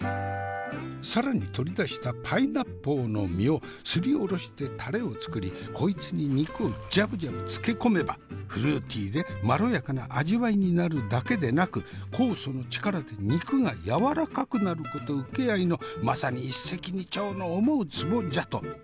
更に取り出したパイナッポーの実をすりおろしてタレを作りこいつに肉をじゃぶじゃぶ漬け込めばフルーティーでまろやかな味わいになるだけでなく酵素の力で肉がやわらかくなること請け合いのまさに一石二鳥の思うつぼじゃと。